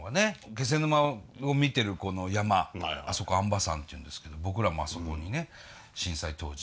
気仙沼を見てるこの山あそこ安波山っていうんですけど僕らもあそこにね震災当時。